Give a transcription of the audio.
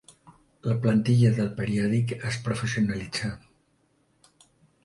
La plantilla del periòdic es professionalitzà.